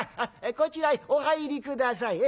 こちらにお入り下さい。